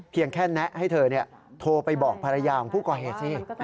แค่แนะให้เธอโทรไปบอกภรรยาของผู้ก่อเหตุสิ